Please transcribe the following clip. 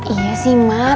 iya sih mak